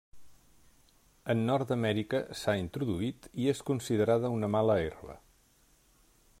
En Nord-amèrica s'ha introduït i és considerada una mala herba.